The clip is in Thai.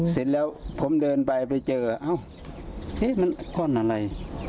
เสร็จแล้วผมเดินไปไปเจอเอ้ามันก้อนอะไร